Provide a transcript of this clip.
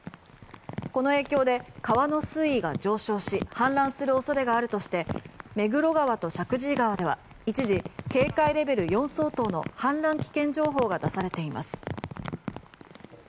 この影響で、川の水位が上昇し氾濫する恐れがあるとして目黒川と石神井川では一時、警戒レベル４相当の氾濫危険情報が出されています。